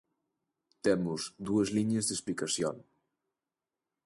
Temos dúas liñas de explicación.